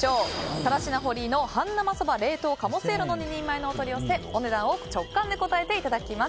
更科堀井の半生そば冷凍鴨せいろの２人前のお取り寄せ、お値段を直感で答えていただきます。